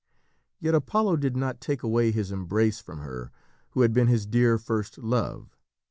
Yet Apollo did not take away his embrace from her who had been his dear first love.